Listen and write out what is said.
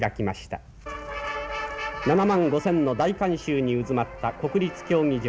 ７万５，０００の大観衆にうずまった国立競技場。